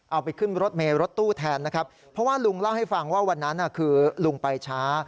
เอาไปขึ้นรถเมย์รถตู้แทนนะครับเพราะว่าลุงเล่าให้ฟังว่าวันนั้นคือลุงไปช้า